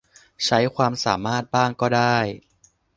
ใช้ความสามารถบ้างก็ได้